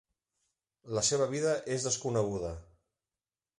La seva vida és desconeguda.